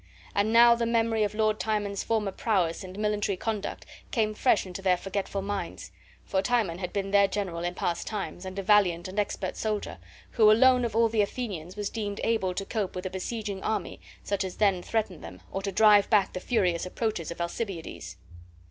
And now the memory of Lord Timon's former prowess and military conduct came fresh into their forgetful minds, for Timon had been their general in past times, and a valiant and expert soldier, who alone of all the Athenians was deemed able to cope with a besieging army such as then threatened them, or to drive back the furious approaches of Alcibiades.